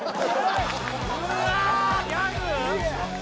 うわギャグ？